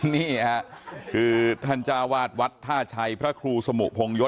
นี่ค่ะคือท่านจ้าวาดวัดท่าชัยพระครูสมุพงยศ